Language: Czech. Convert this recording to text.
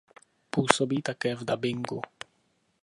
Působí také v dabingu.